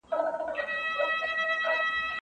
ادبیاتو پوهنځۍ په ناقانونه توګه نه جوړیږي.